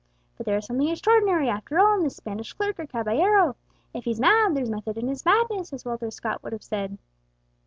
"But there is something extraordinary after all in this Spanish clerk or caballero. If he's mad, 'there's method in his madness,' as Walter Scott would have said.